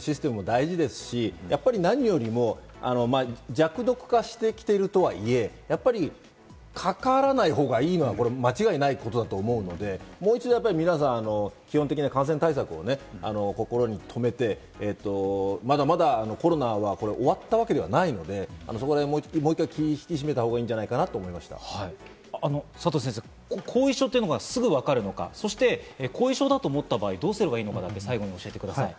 その人が辛かったら辛いので、周りがサポートしていけるような体制というか、システムも大事ですし、やっぱり何よりも弱毒化してきてるとはいえ、やっぱりかからないほうがいいのは間違いないということだと思うので、もう一度、皆さん基本的な感染対策をね、心に留めて、まだまだコロナは終わったわけではないので、そこらへんもう一回、気を引き締めたほうがいいんじゃないかなと佐藤先生、後遺症というのがすぐにわかるのか、後遺症だと思った場合どうすればいいのかだけ最後に教えてください。